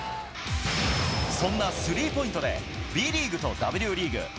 そんなスリーポイントでＢリーグとＷリーグ